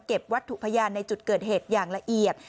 วัตถุพยานในจุดเกิดเหตุอย่างละเอียด